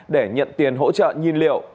để nhận tiền hỗ trợ nhiên liệu